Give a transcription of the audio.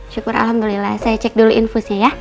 syukur alhamdulillah saya cek dulu infusnya ya